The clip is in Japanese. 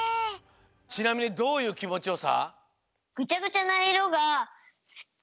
ちなみにどういうきもちよさ？